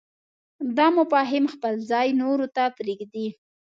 دا مفاهیم خپل ځای نورو ته پرېږدي.